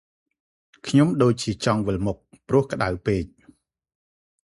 ខ្ញុំដូចជាចង់វិល់មុខ ព្រោះក្តៅពេក ។